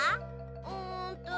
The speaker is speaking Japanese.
うんと。